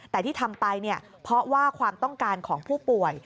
แต่ที่ทำไปเพราะว่าความต้องการของผู้ป่วย